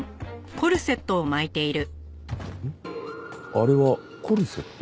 あれはコルセット？